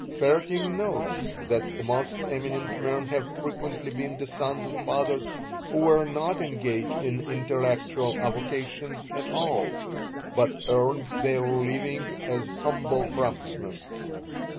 Vaerting notes that the most eminent men have frequently been the sons of fathers who were not engaged in intellectual avocations at all, but earned their living as humble craftsmen.